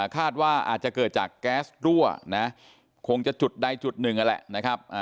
คาดว่าอาจจะเกิดจากแก๊สรั่วนะคงจะจุดใดจุดหนึ่งนั่นแหละนะครับ